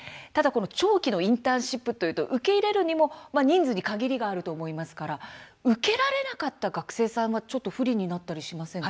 長期のインターンシップというと受け入れるにも人数に限りがあると思いますから受けられなかった学生はちょっと不利になったりしませんか。